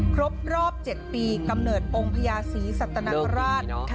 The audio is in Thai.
ครบรอบ๗ปีกำเนิดองค์พญาศรีสัตนคราช